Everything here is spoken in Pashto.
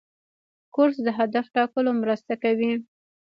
کورس د هدف ټاکلو مرسته کوي.